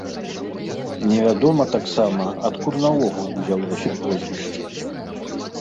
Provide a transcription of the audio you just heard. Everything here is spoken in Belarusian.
Невядома таксама, адкуль наогул узялося прозвішча.